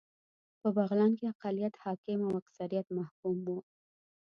په بغلان کې اقلیت حاکم او اکثریت محکوم و